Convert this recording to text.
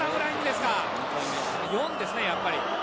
４ですか、やっぱり。